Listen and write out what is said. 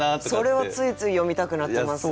それはついつい詠みたくなってますね。